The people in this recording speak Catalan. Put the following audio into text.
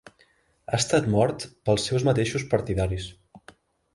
Ha estat mort pels seus mateixos partidaris.